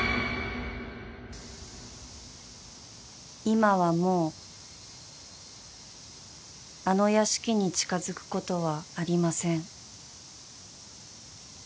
［今はもうあの屋敷に近づくことはありません］